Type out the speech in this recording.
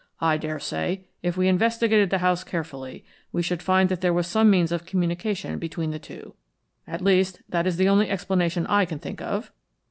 I daresay if we investigated the house carefully we should find that there was some means of communication between the two; at least, that is the only explanation I can think of."